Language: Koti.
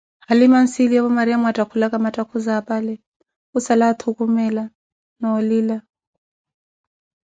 Halima anssiliyevo Mariamo alupaka mathakhuzi apale khussala attukumela na khussala alila